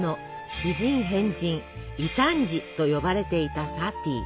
「奇人変人」「異端児」と呼ばれていたサティ。